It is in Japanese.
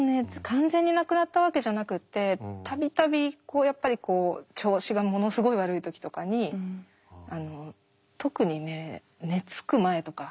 完全になくなったわけじゃなくって度々やっぱりこう調子がものすごい悪い時とかに特にね寝つく前とか。